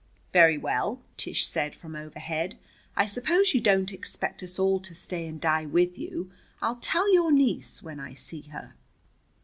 "Very well," Tish said from overhead. "I suppose you don't expect us all to stay and die with you. I'll tell your niece when I see her."